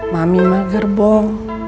mami mah gerbong